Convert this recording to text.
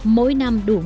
mỗi năm thứ tư trở đi